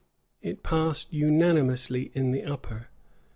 It passed unanimously in the upper.